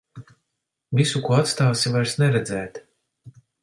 Visu, ko atstāsi, vairs neredzēt.